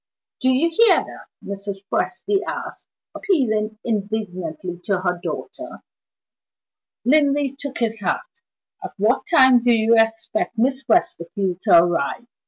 "Do you hear that?" Mrs. Presty asked, appealing indignantly to her daughter. Linley took his hat. "At what time do you expect Miss Westerfield to arrive?"